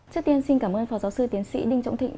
trước tiên xin cảm ơn phó giáo sư tiến sĩ đinh trọng thịnh